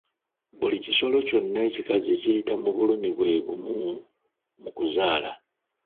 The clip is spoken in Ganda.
Buli kisolo kyonna ekikazi kiyita mu bulumi bwebumu mu kuzaala.